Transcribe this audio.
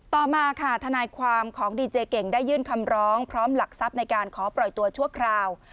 ต่อมาค่ะทนายความของดีเจเก่งได้ยื่นคำร้องพร้อมหลักทรัพย์ในการขอปล่อยตัวชั่วคราว